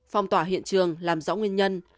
phòng tỏa hiện trường làm rõ nguyên nhân